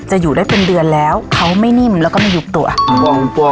อยู่ได้เป็นเดือนแล้วเขาไม่นิ่มแล้วก็ไม่ยุบตัว